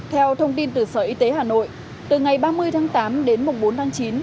theo thông tin từ sở y tế hà nội từ ngày ba mươi tháng tám đến mùng bốn tháng chín